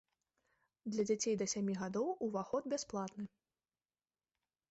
Для дзяцей да сямі гадоў уваход бясплатны.